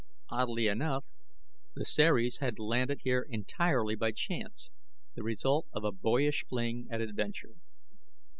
Oddly enough, the Ceres had landed here entirely by chance, the result of a boyish fling at adventure.